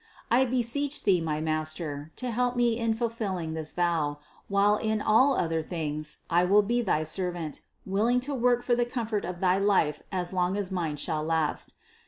I beseech thee, my master, to help me in fulfilling this vow, while in all other things I will be thy servant, willing to work for the comfort of thy life as long as mine shall last.